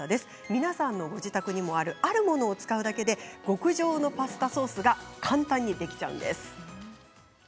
皆さんの家にある、あるものを使うだけで、極上のパスタソースが簡単にできちゃいます。